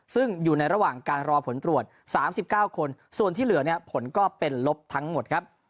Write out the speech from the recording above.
ซึ่งอยู่ในระหว่างการรอผลตรวจ๓๙คนส่วนที่เหลือเนี่ยผลก็เป็นลบทั้งหมดครับ